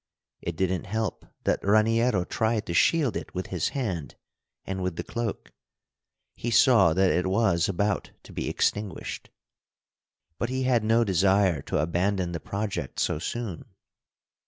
It didn't help that Raniero tried to shield it with his hand and with the cloak. He saw that it was about to be extinguished. But he had no desire to abandon the project so soon.